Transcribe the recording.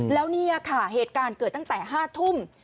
แล้วเนี่ยค่ะเหตุการณ์เกิดตั้งแต่๕ทุ่ม